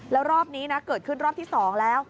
แล้วรอบนี้นะเกิดขึ้นรอบที่๒แล้ว